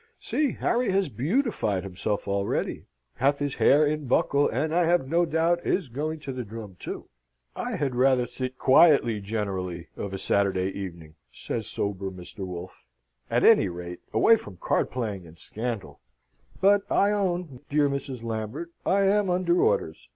"See, Harry has beautified himself already, hath his hair in buckle, and I have no doubt is going to the drum too." "I had rather sit quiet generally of a Saturday evening," says sober Mr. Wolfe; "at any rate, away from card playing and scandal; but I own, dear Mrs. Lambert, I am under orders.